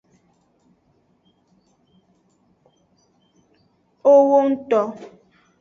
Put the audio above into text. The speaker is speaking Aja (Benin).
Owongto.